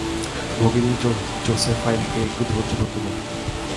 ভগিনী জোসেফাইনকে একটু ধৈর্য ধরতে বলো।